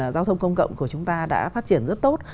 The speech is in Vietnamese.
giao thông công cộng của chúng ta đã phát triển rất tốt